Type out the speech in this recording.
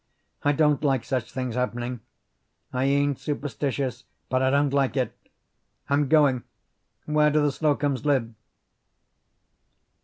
I don't like such things happening. I ain't superstitious, but I don't like it. I'm going. Where do the Slocums live?"